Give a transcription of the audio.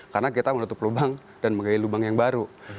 karena kita menutup lubang dan menggali lubang yang baru